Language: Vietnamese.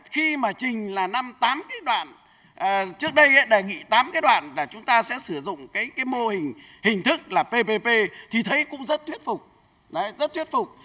khi mà trình là năm tám cái đoạn trước đây đề nghị tám cái đoạn là chúng ta sẽ sử dụng cái mô hình hình thức là ppp thì thấy cũng rất thuyết phục rất thuyết phục